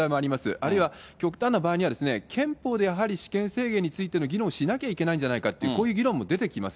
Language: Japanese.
あるいは極端な場合には、憲法でやはり私権制限についての議論をしなきゃいけないんじゃないかという、こういう議論も出てきます。